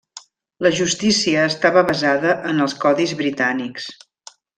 La justícia estava basada en els codis britànics.